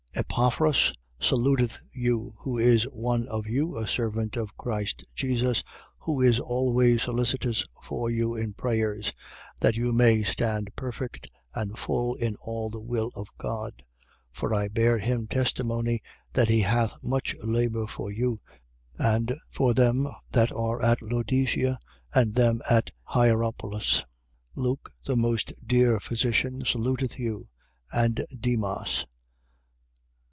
4:12. Epaphras saluteth you, who is one of you, a servant of Christ Jesus, who is always solicitous for you in prayers, that you may stand perfect and full in all the will of God. 4:13. For I bear him testimony that he hath much labour for you and for them that are at Laodicea and them at Hierapolis. 4:14. Luke, the most dear physician, saluteth you: and Demas.